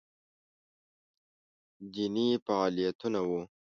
دیني فعالیتونه وو